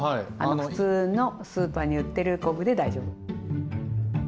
普通のスーパーに売ってる昆布で大丈夫。